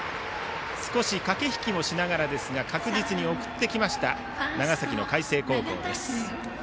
少し駆け引きもしながらですが確実に送ってきました長崎の海星高校。